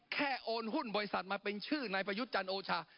โอนหุ้นบริษัทมาเป็นชื่อนายประยุทธ์จันทร์โอชา